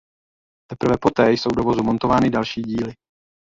Teprve poté jsou do vozu montovány další díly.